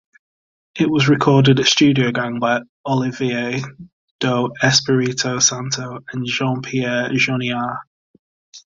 It was recorded at Studio Gang by Olivier do Espirito Santo and Jean-Pierre Janiaud.